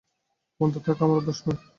মন্দ থাকা আমার অভ্যাস নয়।